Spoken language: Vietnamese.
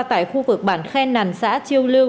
tại khu vực bản khen nằn xã chiêu lưu